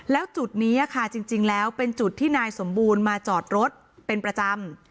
แล้วจุดนี้ค่ะจริงแล้วเป็นจุดที่นายสมบูรณ์มาจอดรถเป็นประจำ